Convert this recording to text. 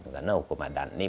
karena hukum adat ini